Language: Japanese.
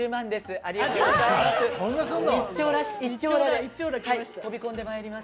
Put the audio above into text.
ありがとうございます。